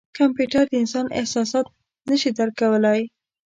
کمپیوټر د انسان احساسات نه شي درک کولای.